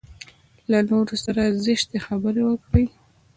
له نورو سره زشتې خبرې وکړي.